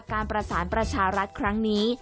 การประสานประชารัฐครั้งนี้